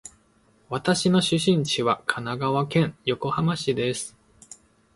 私の出身地は神奈川県横浜市です。